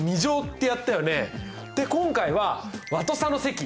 で今回は和と差の積。